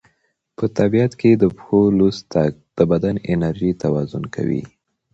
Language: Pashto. په طبیعت کې د پښو لوڅ تګ د بدن انرژي توازن کوي.